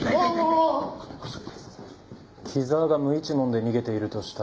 木沢が無一文で逃げているとしたら。